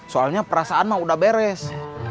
soalnya perasaan mah udah beres